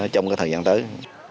trong thời gian tới